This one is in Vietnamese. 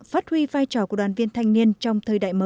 phát huy phai trọng